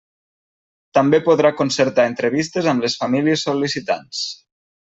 També podrà concertar entrevistes amb les famílies sol·licitants.